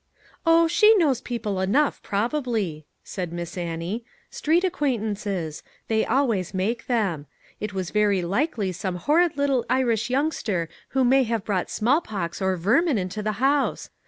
" Oh, she knows people enough, probably," said Miss Annie, "street acquaintances; they 47 MAG AND MARGARET always make them. It was very likely some horrid little Irish youngster who may have brought smallpox or vermin into the house.